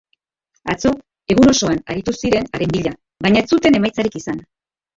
Atzo egun osoan aritu ziren haren bila, baina ez zuten emaitzarik izan.